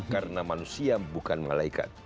karena manusia bukan malaikat